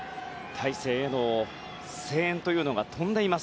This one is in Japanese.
大勢への声援というのが飛んでいます